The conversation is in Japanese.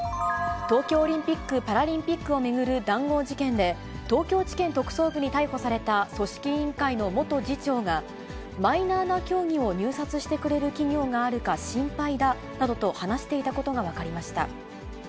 東京オリンピック・パラリンピックを巡る談合事件で、東京地検特捜部に逮捕された組織委員会の元次長が、マイナーな競技を入札してくれる企業があるか心配だなどと話していたことが分かりました。